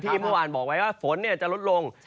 พี่อิทธิ์เมื่อวานบอกไว้ว่าฝนจะลดลง